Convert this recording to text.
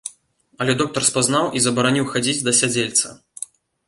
Але доктар спазнаў і забараніў хадзіць да сядзельца.